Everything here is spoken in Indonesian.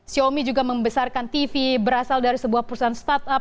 xiaomi juga membesarkan tv berasal dari sebuah perusahaan startup